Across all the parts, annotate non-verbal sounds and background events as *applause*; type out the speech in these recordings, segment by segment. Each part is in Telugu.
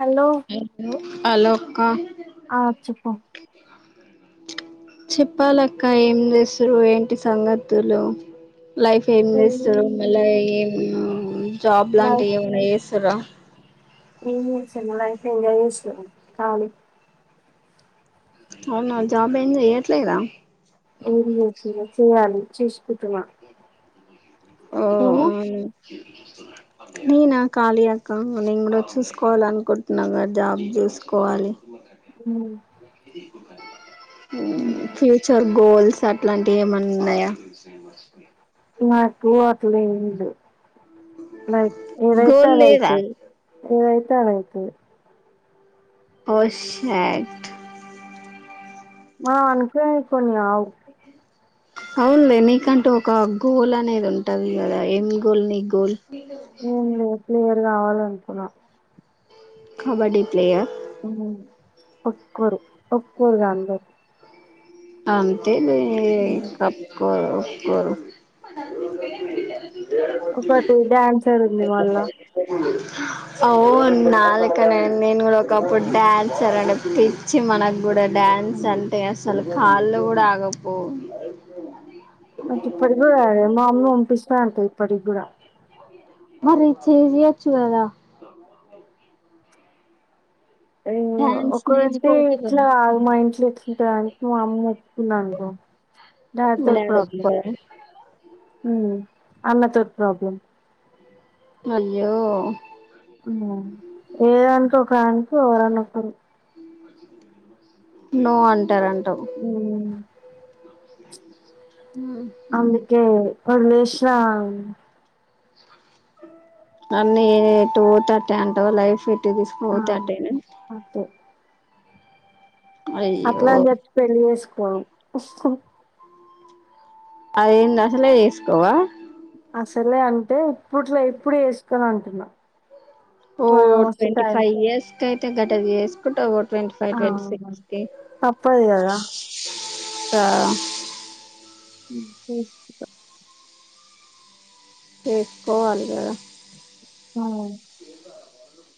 హలో మ్ మ్ అలో అక్క ఆ చెప్పు చెప్పాలక్క ఏం చేస్తురు ఏంటి సంగతులు లైఫ్ ఏం చేస్తారు మళ్ళీ ఏం జాబ్ లైఫ్ లాంటివి ఏమన్నా చేస్తారా ఏం లేదు సార్ మళ్ళీ *unintelligible* కాళి అవునా జాబ్ ఏం జెయ్యట్లేదా ఏమ్ చేతురు చేయాలి చుసుకుంటున్నా ఓ *inaudible* నేనా కాళీ అక్క నేను కూడా చూసుకోవాల అనుకుంటున్నా గదా జాబ్ జెస్కోవాలి మ్ మ్మ్ ఫ్యూచర్ గోల్స్ తాట్లాంటివి ఏమనున్నయ్య మాకు అట్లు *unintelligible* లైఫ్ ఏదైతే గోల్ లేదా అదైతది ఏద్ *unintelligible* ఓ షాట్ ఆ అనుకొ కొన్ని ఆవ్ అవునులే నీకంటు ఒక గోల్ అనేది ఉంటది కదా ఏం గోల్ నీ గోల్ వీళ్ళతో ఒక విషం ఏం మాట్లా లేదు క్లియర్ కావాలనుకున్నా కబడ్డీ ప్లేయర్ ఒక్కోరు ఒక్కరుగా అందరు ఆ అను అంతే ఈ కాపు కోవాలా బరు *unintelligible* ఒకటి డాన్సర్ ఉంది మళ్ళా అఓ నాలకనడి నేను కూడా ఒకప్పుడు డ్యాన్సర్ అంటే పిచ్చి మనకు కూడా డ్యాన్స్ నాకు అంటే అసలు కాళ్లు గూడా ఆగావ్ పో నాకు ఇప్పటికీ కూడా రాదు మా మమ్మీ పంపిస్తా అంటది పడిగుడ మరి చేయచ్చు గదా అయ్యో డ్యాన్స్ ఒకరంటే నేర్చుకోవచ్చు కదా ఎట్ల మాఇంట్లో ఎట్లాటుది అంటే మా అమ్మ ఒప్ తిండానికి పో మీ డాడ్ ఒప్పుకోరా ఉ అన్నతోటి ప్రాబ్లం అయ్యో అవునా ఏదానికి ఒకదానికి ఎవరన్న ఒకరు నో అంటారంట ఉ ఉ హు హు వోదిలేశిన అన్నీ టూథర్టీ అంటావా లైఫ్ ట్టేసు ఆ బతట్టేన అంతే అట్లా అని చెప్పి పెళ్లి చేసుకో మా ఇష్టం అదేంది అసలే చేసుకోవా అసలే అంటే ఇప్పుట్లో ఇప్పుడు చేస్కును అంటున్నా ఓ కొంచెం మస్తు టైం ట్వంటిఫైవ్ ఇయర్స్ ఏటా అయితే గట చేసుకొస్కుంటావ్ వాట్ ట్వంటిఫైవ్ ఆ ట్వంటిసిక్స్ కి తప్పదు కదా తా హు చేసుకుంటా చేసుకోవాలిగద హా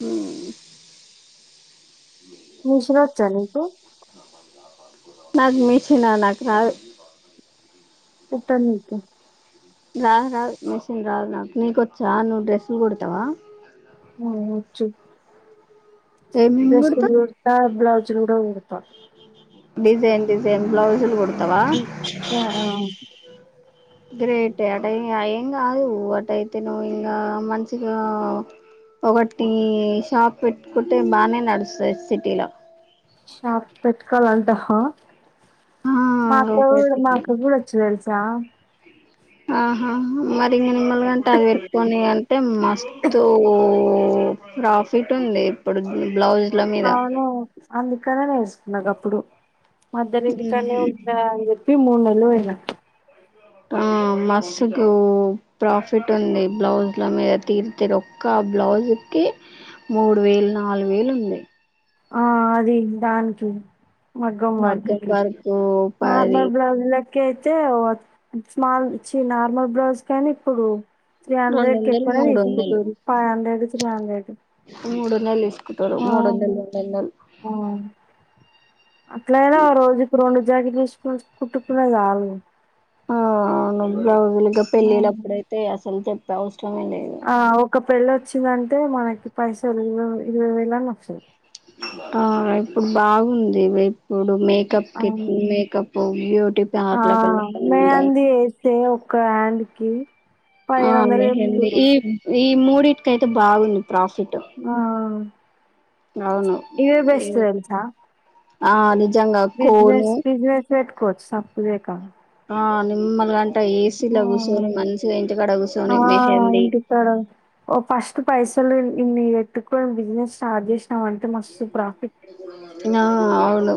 ఊ మిషనొచ్చ నీకు నాకు మిషనా నాకు రాదు. కుట్టనికి రాదు రాదు మిషిన్ రాదు నాకు, నీకొచ్చా నువ్వు డ్రెస్స కుడతావా మ్మ్ వచ్చు ఏమేమి కుడతావ్ డ్రస్సులు పాడ్ బ్లౌజ్ చుడ ఉ త డిజైన్ డిజైన్ బ్లౌజులు కు సార గ్రేటె అటైం ఏం కాదు, అటయితే నువ్వు ఇంగా మంచిగా ఒకటి షాప్ పెట్టుకుంటే బానే నడుస్స సిటీల షాప్ పెట్టుకోవాలంటా హ ఆ మాకు ఒకటి మాకు గుడ వచ్చు తెల్సా మరింగ మలగంటని పెట్టుకని అంటే మస్తు ప్రాఫిట్ ఉంది, ఇప్పుడు బ్లౌజ్ అవును, అందుకనేే నేేస్ నగప్పుడు అందరు ఇంటికాన్నే ఉంటా అని చెప్పి, మూడు నెలలు వో మ్మ్ మస్సుకు ప్రాఫిట్ ఉంది. బ్లౌజ్ల మీద తీ తీరు ఒక్క బ్లౌజ్కి మూడు వేలు నాలుగు వేలు ఉంది. ఆ అది దానికి వర్క్ మగ్గం కి వర్కు పది కెయితే వత్ స్మాల్ చి నార్మల్ బ్లౌజ్ కైన ఇప్పుడు త్రీ రెండు హండ్రెడ్ కి వందలు ఎక్కువనే మూడు వందలు తీసుకుంటురు. ఫైవ్ హండ్రెడ్ త్రీ హండ్రెడ్, ఆ వందల్ ఆ అట్లయినా ఓ రోజుకి రెండు జాకిట్లు స్కుస్ *unintelligible* ఆ అవునండి. బ్లౌజ్లక అవును పెళ్ళిలప్పుడైతే అసలు తే తౌస్ట్ ఆ ఒక పెళ్ళి వచ్చిందంటే మనకి పైసాల్ ఇర ఇరవై ఏలన్న వస్సయ్. ఆ ఇప్పుడు బాగుంది వే ఇప్పుడు మేకప్ కిట్, అవును మేకప్పు బ్యూటీ ఆ పార్లర్ కల్ల గ కీ ఆ మెహందీ ఈ ఈ మూడిటికి అయితే బాగుంది ప్రాఫిట్ ఆ అవును ఇవే బెస్ట్ తెలుసా ఆలి జంగా కోను పెట్టుకోచ్చు సాఫ్ట్ వేర్ కం ఆ నిమ్లగ న్ ఇ ఆ ఏసీలు కూర్చొని మనుషుల ఇంటికాడ ఆ కూచొని మెహంది ఇంటికాడ ఓ ఫస్ట్ పైసలు న ఎట్టుకొని బిజినెస్ స్టార్ట్ చేసినా అంటే మస్తు ప్రాఫిట్ నా అవును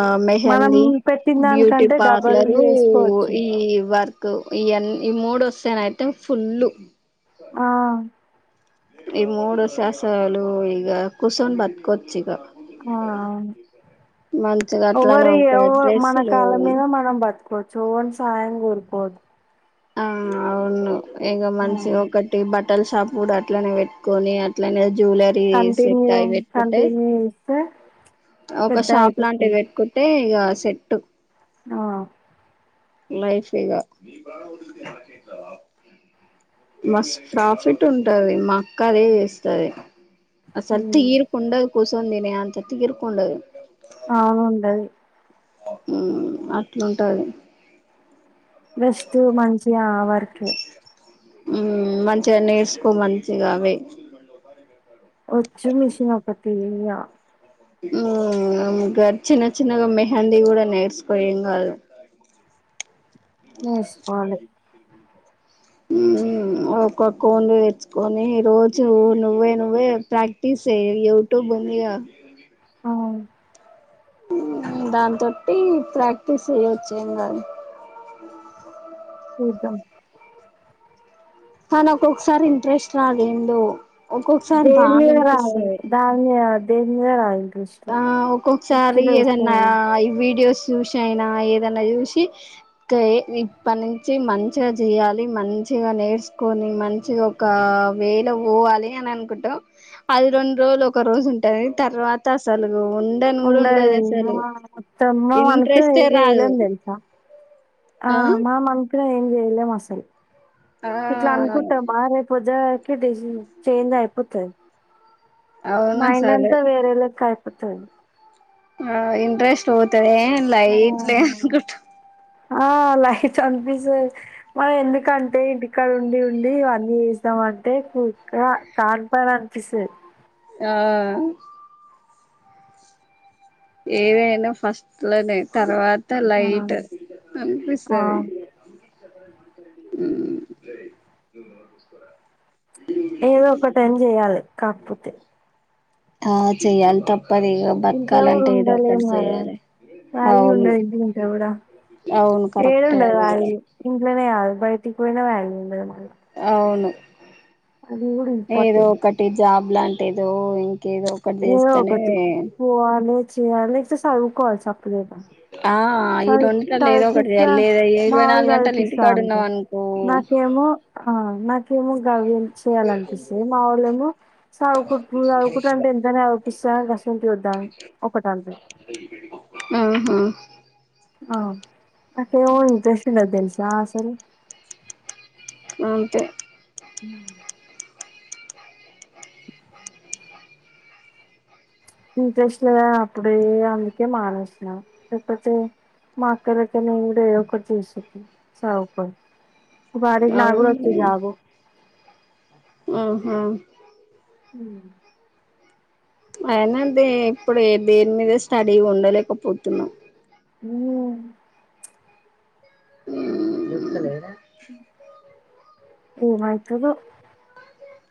అ మనం మెహంది పెట్టిన బ్యూటీ దానికంటే డబల్ పార్లరు చేసుకోవచ్చు. ఈ వర్క్ ఇవన్ని ఈ మూడు వస్తేనైతే ఫుల్లు ఆ ఈ మూడు ససలు ఈగ కుస్సోని బతుకొచ్చిగ ఆ అవును మంచిగా అట్లానే ఎవ్వరి ఒక ఎవ మన డ్రెస్సులు కాల మీద మనం బతుకచ్ ఎవరి సాయం కోరికోద్దు ఆ అవును ఇంక ఆ మనిషి ఒకటి బట్ట హోటల్ షాపు కూడా అట్లనే పెట్టుకొని అట్లనే జ్యువెలరీ సెట్ కంటిన్యూ అవి పెట్టుకుంటే కంటిన్యూ ఇస్తే ఒక షాప్ లాంటివి పెట్టుంటే ఇగా సెట్టు ఆ లైఫ్ ఇగ మస్త్ ప్రాఫిట్ ఉంటది మా అక్క అదే చేస్తది ఆ సర్త్ హ్మ్ ఈరుకుకోస ఉంది మే అంత తీరిక ఉండదు అవును ఉండది ఉ అట్లుంటది వెస్టు మంచిగ ఆ వర్కే ఉ మంచిగా నేర్స్ కో మంచిగా అవే వచ్చు మిషిన్ ఒకటి గ ఉమ్ గ చిన్న చిన్నగా మెహందీ కూడా నేర్చుకో ఏం కాదు కా నేర్చుకోవాలి. ఉమ్ ఒక్కక్కోన్ని తెచ్చుకోని రోజు నువ్వే నువ్వే ప్రాక్టీస్ చెయ్యి యూట్యూబ్ ఉందిగా అవును దాని తోటి ప్రాక్టీస్ చేయొచ్చు ఏం కాదు చూద్దాం ఆ నాకొసారి ఇంట్రెస్ట్ రాదేందో దేని మీద రాదు దాని మీద *unintelligible* *unintelligible* ఆ పిచ్చి ఒక్కొక్కసారి ఏదన్నా లేస్తది. ఈ వీడియోస్ చూసి అయినా ఏదన్నా చూసి ఇప్పటి నుంచి మంచిగా చేయాలి మంచిగా నేర్చుకోని మంచిగా ఒక వేల పోవాలి అని అనుకుంటాం. అది రెండు రోజులు ఒక రోజు ఉంటది తర్వాత్ తసలు ఉండది మొత్తమ్ మనకు ఇంట్రెస్టే ఇది రాదు చెయ్లేం తెలుసా ఆ మనం అన్కునేదేం వెళ్ళమసలు ఆ ఇట్లానుకుంటాం *unintelligible* చేంజ్ అయిపోతది అవును మైండ్ అసలు అంతా వేరేలా క ఒత్తది ఆ ఇంట్రెస్ట్ ఒ లైట్ లే అనుకుంట ఆ లైట్ అనిపిస్తది. మనం ఎందుకంటే ఇంటికాడ ఉండి ఉండి ఇవన్నీ చేస్తామంటే కానిపననిపిస్తది ఆ ఏవైనా ఫస్ట్ లోనే తర్వాత్ త ఆ లైట్ ఆ, అనిపిస్తది *inaudible* ఏదో ఒకటని చెయాలి కాకపోతే ఆ చేయ్యాలి తప్ ఇంట్లో కూడా ఉండలేం కదా చేయాలి వాల్యూ అవును ఉండదు ఇంట్లుంటె కూడా అవును ఏడ కరెక్టే ఉండదు అది కూడా వాల్యూ ఇంట్లనే కాదు బయటికి పోయిన వాల్యూ ఉండదు మల్ల అవును ఏదో ఇంపార్టెంట్ ఒకటి జాబ్ ఎలాంటిదోయ్ ఏదో ఒకటి పోవాలే చెయ్యాలేస్తే సదువుకోవాలి స *unintelligible* ఆ ఈ చదువ్ రెండిట్లలో ఏదో చదువు ఒకటి పిస్తా చేయాలి లేదా మా ఇరవై ఆవిడ నాలుగు చదువు గంటలు పిస్తా ఇంటికాడ ఉన్నాం అంటది అనుకో నాకేమో ఆ నాక్ *unintelligible* చేయాలనిపిస్తది మావోళ్ళేమో సదువుకుంట్ నువ్ సదువుకుంట అంటే ఎంతైనా సదువుపిస్త గాసొంటివి వద్దని ఒకటంటది హుమ్ ఆ నాకేమో ఇంట్రెస్ట్ ఉండదు తెల్సా అసలు అంతే హుమ్ ఇంట్రెస్ట్ లేదని అప్పుడే అందుకే మానేసిన లేకపోతే మా అక్కదగ్గరనే ఉండి ఎదో ఒకటి చేసేదాని సదువ్కొని ఈ పాటికి నాగుడ వచ్చు అవును జాబు ఊహు హూ అయినా దే ఇప్పుడు ఏ దేని మీద స్టడీగా ఉండలేకపోతున్నా అవునా వస్తలేద ఏమైతదో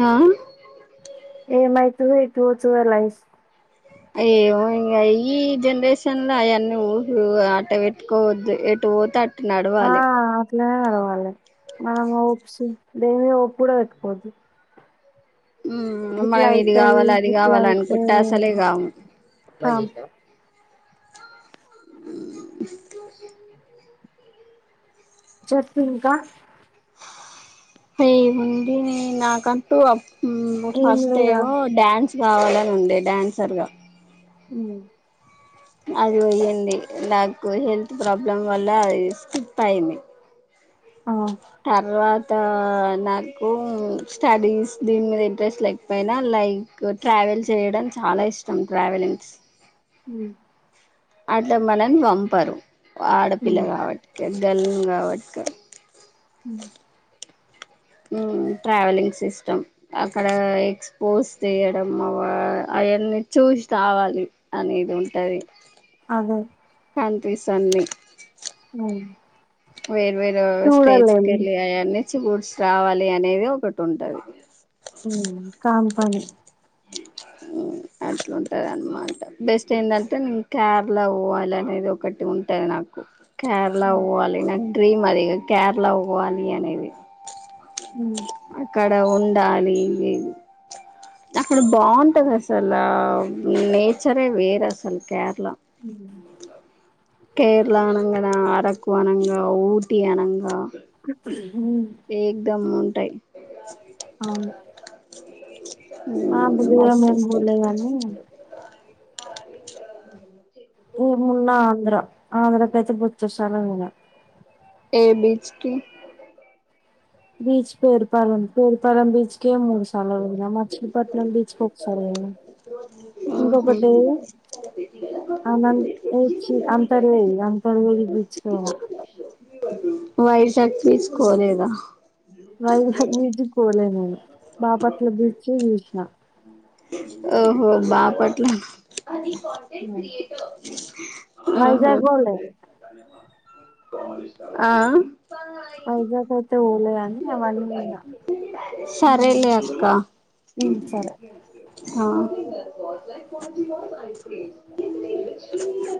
ఆ ఏమైతదో ఎటు పోతదో లైఫ్ అయ్యయ్యో ఇంగ ఈ జనరేషన్ ల ఆయన్ని ఊహలు అట్ట పెట్టుకోవద్దు ఎటు బోతే అటు ఆ ఇట్లనే నడవాలే మనం హోప్స్ దేనిమీద హోప్ కూడా పెట్టుకోవద్దు గిట్లా మనం ఇది అయితది గావాలే అది గిట్లా గావాలే అయితది అనుకుంటే అసలే అని గాము కామ్ చెప్పింకా ఏ ఉడిని నా కంటు ఉమ్ ఏం ఫస్ట్ లేదా ఏమో డ్యాన్స్ కావాలని ఉండే డ్యాన్సర్ గా ఉ అది పోయింది నాకు హెల్త్ ప్రాబ్లం వల్ల అది స్కిప్ అయింది ఆ తర్వాత నాకు స్టడీస్ దీని మీద ఇంట్రెస్ట్ లేకపోయినా లైక్ ట్రావెల్ చేయడం చాలా ఇష్టం ట్రావెలింగ్స్ హమ్ అటు మనం పంపరు ఆడపిల్ల కావాట్కెలి గల్లుంగాబట్క ఉమ్ ఉమ్ ట్రావెలింగ్ సిస్టమ్ అక్కడ ఎక్స్పోజ్ తీయడం అవ అయన్ని చూసి రావాలి అనేది ఉంటది అదే అనిపిస్తంది అవు వేరు వేరు స్టేజ్కి ఎల్లి అయాన్ని మచ్చి కూూర్చ రావాలి అనేది ఒకటి ఉంటది ఉమ్ కామ్ పని ఉమ్ అట్లుంటది అన్నమాట బెస్ట్ ఎందంటె కేరళ పోవాలి అనేది ఒకటి ఉంటది నాకు కేరళ పోవాలి నాన్ డ్రీమ్ అది ఇగ కేరళ పోవాలి అనేది ఉమ్ అక్కడ ఉన్ డాలి అక్కడ బాగుంటది అసల నేచరే వేరే అసల్ కేరళ ఊ కేరళ అనంగా నా అరకు అనంగా ఊటీ అనంగా *unintelligible* ఏకదం మున్ ఉంటయి అవును. మా బుధగా మస్తు మేము బూలేగానీ ఆ *unintelligible* గానీ ఏమున్న ఆంధ్ర ఆంధ్రకైతే బోచ్చుడు సార్లు పోయిన ఏ బీచ్ కి బీచ్ పేరు పాలెం పేరు పాలెం బీచ్ కే మూడు సార్లు పోయినా. మచ్చిలీపట్నం బీచ్ కి ఒకసారి పోయినా. ఇంకొకటి అనచ్చి అంతర్వేయిది అంతర్వేయిది బీచుకుపోయినా వైజాక్ తీసుకోలేదా వైజగ్ బీచ్కి పోలే నేను బాపట్ల బీచే చూసినా ఓహో బాపట్ల. ఉ ఆహా వైజాగ్ పోలే ఆ వైజాగ్ అయితే పోలే గాని అవన్నీ పోయినా సరేలే అక్క ఉమ్ సరే ఆ